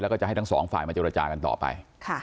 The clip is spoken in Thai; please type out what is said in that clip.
แล้วก็จะให้ทั้งสองฝ่ายมาเจรจากันต่อไป